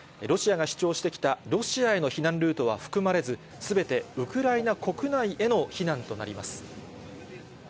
ロシアが主張してきたロシアへの避難ルートは含まれず、すべてウクライナ国内への避難となります。